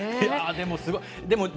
でもすごい。